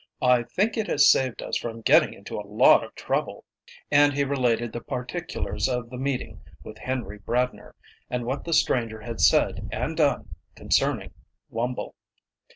"I think it has saved us from getting into a lot of trouble." And he related the particulars of the meeting with Henry Bradner, and what the stranger had said and done concerning Wumble.